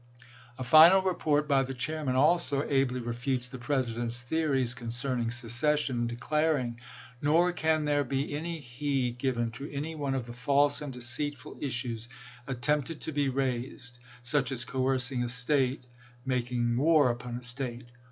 A final report by the chairman also ably refutes the President's theories concerning secession, declaring :" Nor can there be any heed given to any one of the false and deceitful issues attempted to be raised, such as coercing a State — making war upon a State.